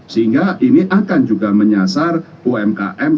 sehingga ini akan juga menyasar umkm